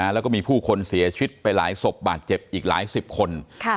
แล้วก็มีผู้คนเสียชีวิตไปหลายศพบาดเจ็บอีกหลายสิบคน